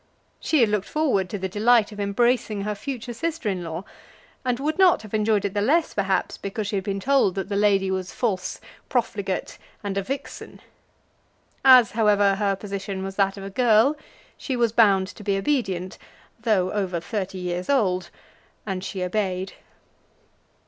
She had looked forward to the delight of embracing her future sister in law; and would not have enjoyed it the less, perhaps, because she had been told that the lady was false, profligate, and a vixen. As, however, her position was that of a girl, she was bound to be obedient, though over thirty years old, and she obeyed.